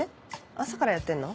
朝からやってんの？